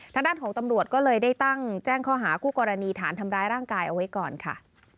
ทางด้านของตำรวจก็เลยได้ตั้งแจ้งข้อหาคู่กรณีฐานทำร้ายร่างกายเอาไว้ก่อนค่ะ